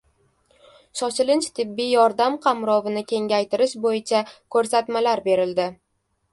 Shoshilinch tibbiy yordam qamrovini kengaytirish bo‘yicha ko‘rsatmalar berildi